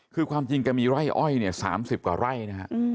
คือความจริงแกมีไร่อ้อยเนี่ย๓๐กว่าไร่นะฮะ